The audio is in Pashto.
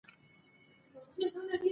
ناجوړتیا درې څپه ایزه ده.